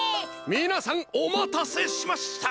みなさんおまたせしました！